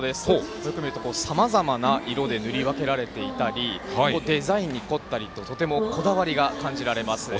よく見るとさまざまな色で塗り分けられていたりデザインに凝ったりととても、こだわりが感じられます。